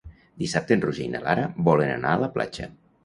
Dissabte en Roger i na Lara volen anar a la platja.